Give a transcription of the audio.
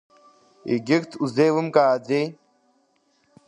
Егьырҭ узеилымкааӡеи?